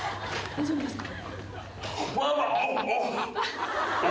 大丈夫ですか？